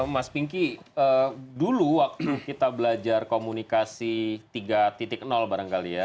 mas pinky dulu waktu kita belajar komunikasi tiga barangkali ya